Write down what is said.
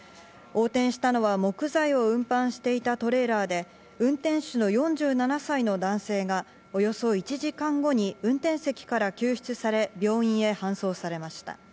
横転したのは木材を運搬していたトレーラーで、運転手の４７歳の男性がおよそ１時間後に運転席から救出され、病院へ搬送されました。